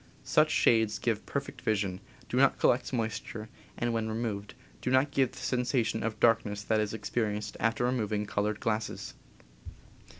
Such shades give perfect vision, do not collect moisture, and, when re moved, do not give the sensation of darkness that is experienced after removing colored glasses.